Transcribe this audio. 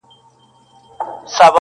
دا نو ژوند سو درد یې پرېږده او یار باسه~